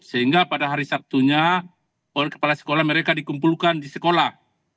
sehingga pada hari sabtunya oleh kepala sekolah mereka dikumpulkan di sekolah